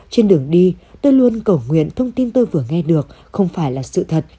trên đường đi tôi luôn cầu nguyện thông tin tôi vừa nghe được không phải là sự thật